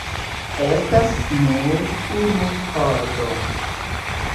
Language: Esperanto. Estas nur unu holdo.